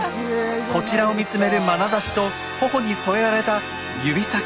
こちらを見つめるまなざしと頬に添えられた指先。